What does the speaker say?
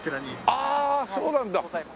ああそうなんだ。